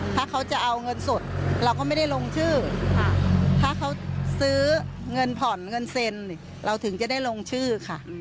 ถ้าเขาจะเอาเงินสดเราก็ไม่ได้ลงชื่อถ้าเขาซื้อเงินผ่อนเงินเซ็นเราถึงจะได้ลงชื่อค่ะ